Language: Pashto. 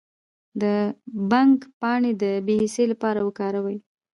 د بنګ پاڼې د بې حسی لپاره وکاروئ